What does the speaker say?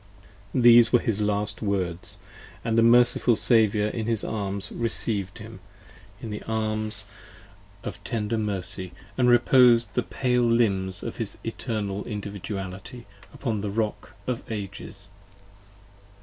p. 48 THESE were his last words, and the merciful Saviour in his arms Reciev'd him, in the arms of tender mercy, and repos'd The pale limbs of his Eternal Individuality Upon the Rock of Ages.